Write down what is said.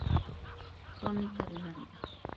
Crónica de una vida.